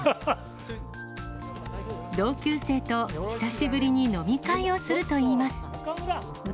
同級生と久しぶりに飲み会をするといいます。